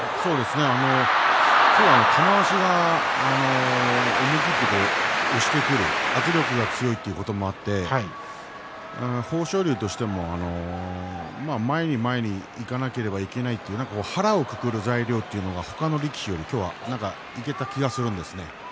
今日は玉鷲が思い切って押してくる、圧力が強いということもあって豊昇龍としても前に前にいかなくてはいけないという腹をくくるような材料があったような気がします。